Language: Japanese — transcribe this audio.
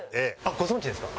ご存じですか？